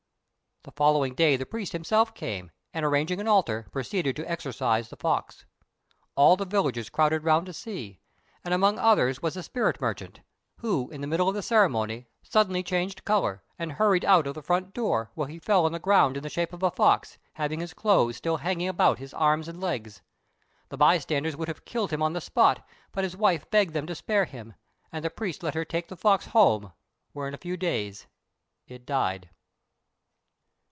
The following day the priest himself came, and, arranging an altar, proceeded to exorcise the fox. All the villagers crowded round to see, and among others was the spirit merchant, who, in the middle of the ceremony, suddenly changed colour, and hurried out of the front door, where he fell on the ground in the shape of a fox, having his clothes still hanging about his arms and legs. The bystanders would have killed him on the spot, but his wife begged them to spare him; and the priest let her take the fox home, where in a few days it died.